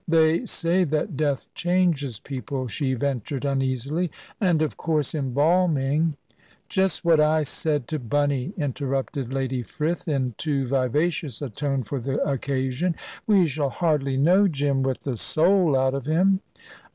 "They say that death changes people," she ventured uneasily, "and of course, embalming " "Just what I said to Bunny," interrupted Lady Frith, in too vivacious a tone for the occasion. "We shall hardly know Jim with the soul out of him."